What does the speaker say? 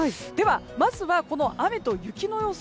まずはこの雨と雪の予想